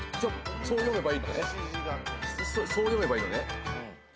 そう読めばいいのね？